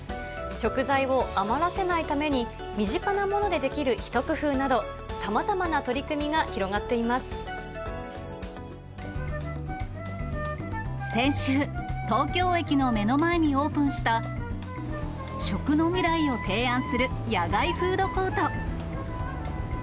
食材を余らせないために身近なものでできるひと工夫など、さまざまな取り組みが広がってい先週、東京駅の目の前にオープンした、食の未来を提案する野外フードコート。